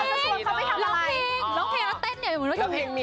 กับเพลงที่มีชื่อว่ากี่รอบก็ได้